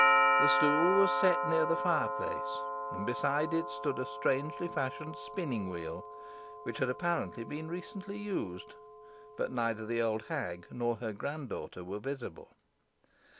The stool was set near the fireplace, and beside it stood a strangely fashioned spinning wheel, which had apparently been recently used; but neither the old hag nor her grand daughter were visible.